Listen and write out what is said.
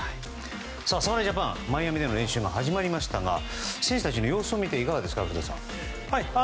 侍ジャパン、マイアミでの練習が始まりましたが選手たちの様子を見ていかがですか、古田さん。